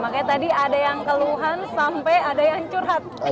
makanya tadi ada yang keluhan sampai ada yang curhat